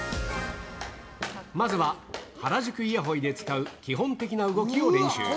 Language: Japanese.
まずは原宿いやほいで使う基本的な動きを練習。